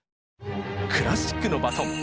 クラシックのバトン。